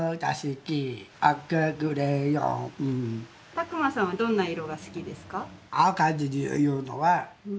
拓磨さんはどんな色が好きですか？